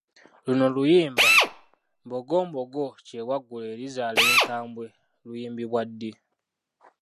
Luno luyimba ‘Mbogo mbogo kyewaggula erizaala enkambwe’ luyimbibwa ddi?